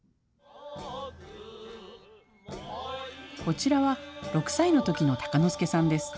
こちらは、６歳のときの鷹之資さんです。